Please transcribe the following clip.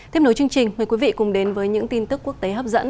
tiếp nối chương trình mời quý vị cùng đến với những tin tức quốc tế hấp dẫn